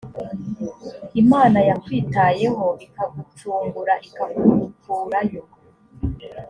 imana yakwitayeho ikagucungura ikagukurayo